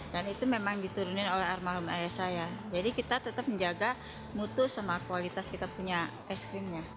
dan itu memang diturunin oleh armal psikologi ayah saya jadi kita tetap menjaga mutu sama kualitasnya kita punya es krimnya